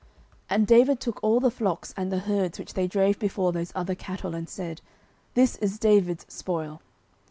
09:030:020 And David took all the flocks and the herds, which they drave before those other cattle, and said, This is David's spoil.